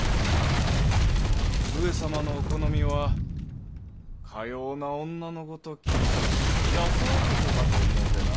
上様のお好みはかような女のごとき優男かと思ってな。